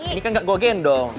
ini kan gak gue gendong